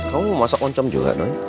kamu mau masak loncom juga non